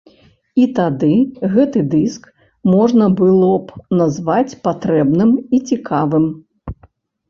І тады гэты дыск можна было б назваць патрэбным і цікавым.